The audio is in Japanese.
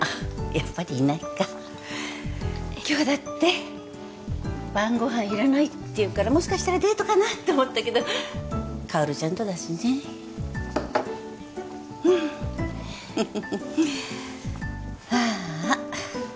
やっぱりいないか今日だって晩ごはんいらないっていうからもしかしたらデートかなって思ったけど薫ちゃんとだしねああ